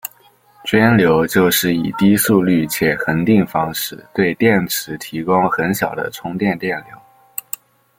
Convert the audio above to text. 涓流就是以低速率且恒定方式对电池提供很小的充电电流。